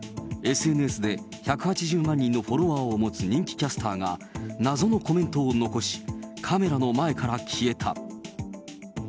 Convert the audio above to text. ＳＮＳで１８０万人のフォロワーを持つ人気キャスターが、謎のコメントを残し、カメラの前から消えた。